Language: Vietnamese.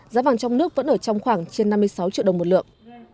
giá vàng trong nước vẫn ở trong khoảng trên năm mươi sáu triệu đồng một lượng